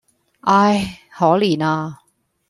唉！可憐呀！